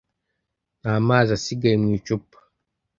Nta mazi asigaye mu icupa.